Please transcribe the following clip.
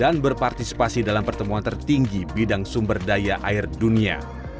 dan berpartisipasi dalam pertemuan tertinggi bidang sumber daya air dunia